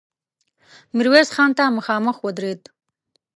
ميرويس خان ته مخامخ ودرېد.